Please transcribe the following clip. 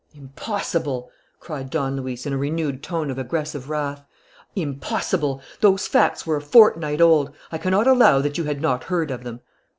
"Impossible!" cried Don Luis, in a renewed tone of aggressive wrath. "Impossible! Those facts were a fortnight old. I cannot allow that you had not heard of them."